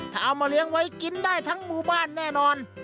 ถ้าเอามาเลี้ยงไว้กินได้ทั้งหมู่บ้านแน่นอน